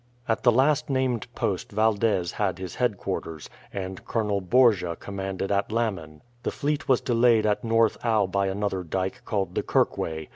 At the last named post Valdez had his headquarters, and Colonel Borgia commanded at Lammen. The fleet was delayed at North Aa by another dyke, called the Kirkway.